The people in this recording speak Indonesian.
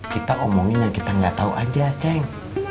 kita omongin yang kita gak tau aja ceng